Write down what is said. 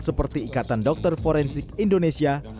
seperti ikatan dokter forensik indonesia